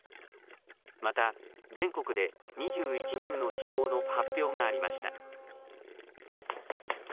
また、全国で２１人の死亡の発表がありました。